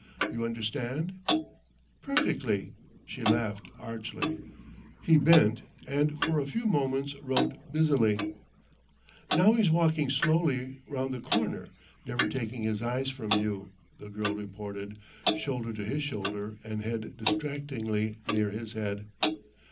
You understand?" "Perfectly," she laughed archly. He bent and for a few moments wrote busily. "Now he's walking slowly round the corner, never taking his eyes from you," the girl reported, shoulder to his shoulder and head distractingly near his head.